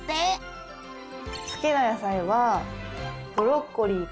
好きな野菜はブロッコリーか。